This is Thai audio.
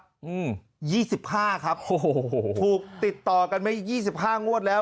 รู้ไหมครับอืม๒๕ครับโอ้โหถูกติดต่อกันไหม๒๕งวดแล้ว